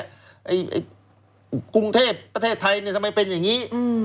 ไอ้กรุงเทพประเทศไทยทำไมเป็นอย่างนี้